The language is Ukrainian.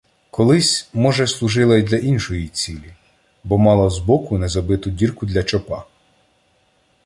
Колись, може, служила й для іншої цілі, бо мала збоку незабиту дірку для чопа.